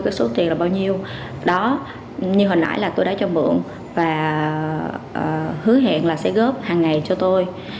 cái số tiền là bao nhiêu đó như hồi nãi là tôi đã cho mượn và hứa hẹn là sẽ góp hàng ngày cho tôi